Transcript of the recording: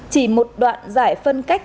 chỉ một đoạn giải phân cách